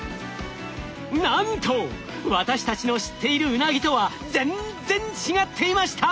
なんと私たちの知っているウナギとは全然違っていました！